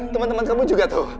teman teman kamu juga tahu